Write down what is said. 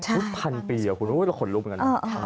ซึ่ง๑๐๐๐ปีอ่ะคุณพ่อคนโลกเหมือนกัน